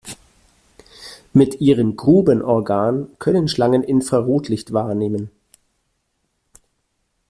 Mit ihrem Grubenorgan können Schlangen Infrarotlicht wahrnehmen.